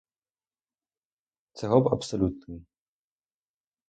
Це — гоп абсолютний.